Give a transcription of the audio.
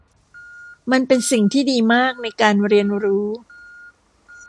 มันเป็นสิ่งที่ดีมากในการเรียนรู้